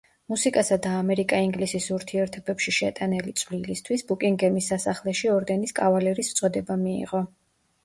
მუსიკასა და ამერიკა-ინგლისის ურთიერთობებში შეტანილი წვლილისთვის ბუკინგემის სასახლეში ორდენის კავალერის წოდება მიიღო.